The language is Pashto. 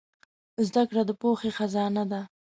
زدهکړه د پوهې خزانه ده.